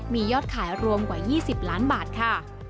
มียอดขายรวมกว่า๒๐ล้านบาทค่ะ